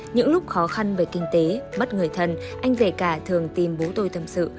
những lúc khó khăn về kinh tế mất người thân anh rẻ cả thường tìm bố tôi thâm sự